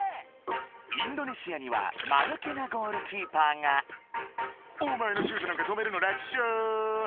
インドネシアにはマヌケなゴールキーパーが「お前のシュートなんか止めるの楽勝！」